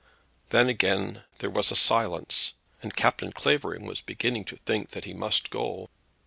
Then again there was a silence, and Captain Clavering was beginning to think that he must go.